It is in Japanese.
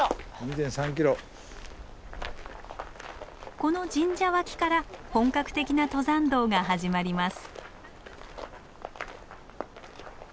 この神社脇から本格的な登山道が始まります。